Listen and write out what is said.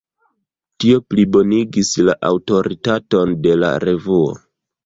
Tio plibonigis la aŭtoritaton de la revuo.